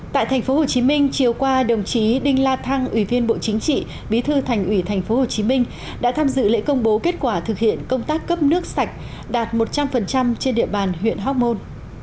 tại tp hcm chiều qua đồng chí đinh la thăng ủy viên bộ chính trị bí thư thành ủy tp hcm đã tham dự lễ công bố kết quả thực hiện công tác cấp nước sạch đạt một trăm linh trên địa bàn huyện hóc môn